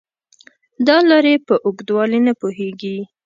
دا لارې په اوږدوالي نه پوهېږي .